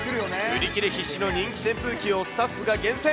売り切れ必至の人気扇風機をスタッフが厳選。